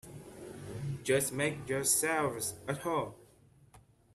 Just make yourselves at home.